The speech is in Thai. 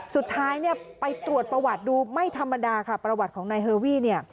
สุดท้ายเนี่ยไปตรวจประวัติดูไม่ธรรมดาค่ะประวัติของนายเฮอรี่เนี่ย